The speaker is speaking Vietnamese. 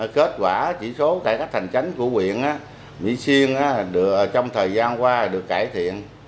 kết quả chỉ số tại các thành chánh của quyện mỹ xuyên trong thời gian qua được cải thiện